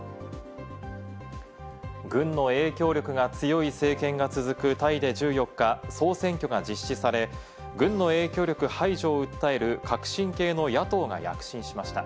軍の影響力が強い政権が続くタイで、１４日、総選挙が実施され、軍の影響力排除を訴える革新系の野党が躍進しました。